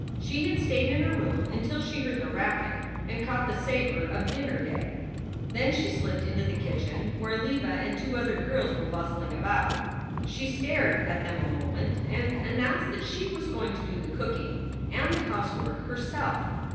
She had stayed in her room until she heard the racket and caught the savor of dinner getting. Then she slipped into the kitchen where Leva and two other girls were bustling about. She stared at them a moment and announced that she was going to do the cooking and the housework herself.